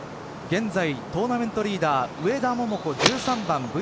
現在トーナメントリーダーは上田桃子１３番。